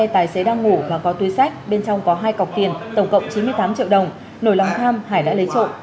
tổng cộng chín mươi tám triệu đồng nổi lòng tham hải đã lấy trộn